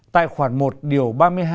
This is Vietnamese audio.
tại khoảng một điều ba mươi hai